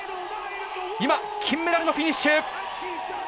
今金メダルのフィニッシュ！